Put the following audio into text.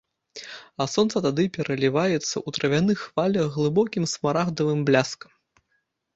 А сонца тады пераліваецца ў травяных хвалях глыбокім смарагдавым бляскам.